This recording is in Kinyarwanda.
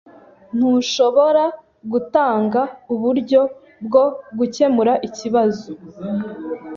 Ntushobora gutanga uburyo bwo gukemura ikibazo?